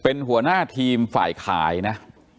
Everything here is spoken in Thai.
เป็นหัวหน้าทีมฝ่ายขายนะ